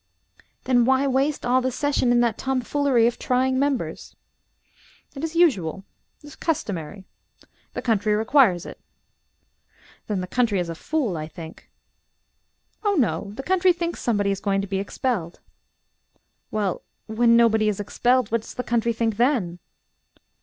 "Then why waste all the session in that tomfoolery of trying members?" "It is usual; it is customary; the country requires it." "Then the country is a fool, I think." "Oh, no. The country thinks somebody is going to be expelled." "Well, when nobody is expelled, what does the country think then?"